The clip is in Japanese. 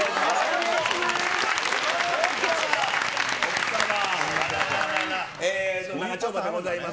よろしくお願いします。